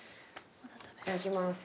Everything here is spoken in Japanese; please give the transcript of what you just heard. いただきます。